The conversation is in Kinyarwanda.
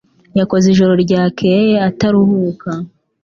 Yakoze ijoro ryakeye ataruhuka.